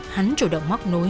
hắn chủ động móc nối